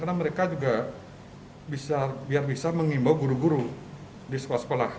karena mereka juga biar bisa mengimbau guru guru di sekolah sekolah